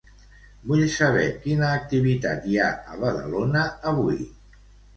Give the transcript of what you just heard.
Vull saber quina activitat hi ha a Badalona avui.